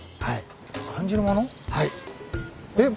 はい。